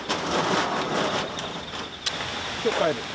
今日帰るの？